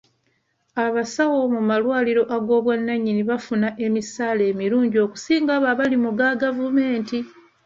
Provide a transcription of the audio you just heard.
Abasawo mu malwaliro ag'obwannannyini bafuna emisaala emirungi okusinga abo abali mu ga gavumenti.